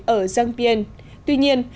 ở giang biên tuy nhiên